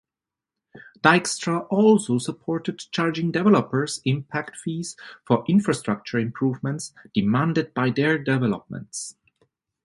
Dykstra also supported charging developers impact fees for infrastructure improvements demanded by their developments.